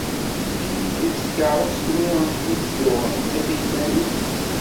Amek iga-tt tkeṛṛust-nni i d-tuɣ nettat s yiman-is?